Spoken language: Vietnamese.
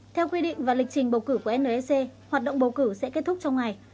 theo quy định và lịch trình bầu cử của nec hoạt động bầu cử sẽ kết thúc trong ngày